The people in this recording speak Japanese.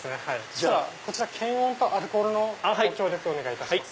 こちら検温とアルコールのご協力をお願いいたします。